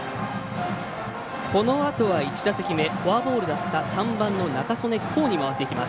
このあとは１打席目フォアボールだった３番の仲宗根皐に回っていきます。